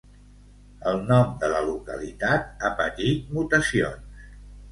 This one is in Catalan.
El nom de la localitat ha patit mutacions.